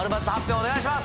お願いします